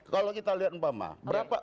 kalau kita lihat empat mah